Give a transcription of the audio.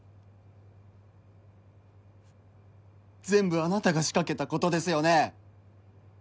全部あなたが仕掛けたことですよね？